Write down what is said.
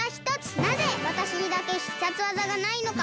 なぜわたしにだけ必殺技がないのか！